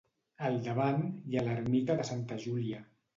Al davant hi ha l'Ermita de Santa Júlia.